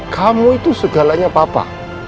kamu itu segalanya papa